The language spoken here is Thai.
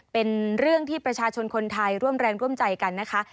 เป็นเรื่องที่ประชาชนคนไทยร่วมแรงร่วมใจกันนะคะ